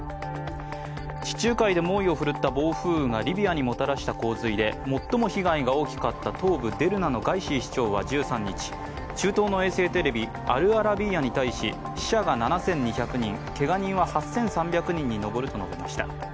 地中海で猛威を振るった暴風雨がリビアにもたらした洪水で最も被害が大きかった東部デルナのガイシー市長は１３日中東の衛星テレビ、アルアラビーヤに対し、死者が７２００人、けが人は８３００人に上ると述べました。